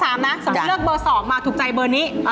สมมุติเลือกเบอร์๒มาถูกใจเบอร์นี้